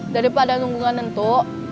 daripada nunggu gak nentu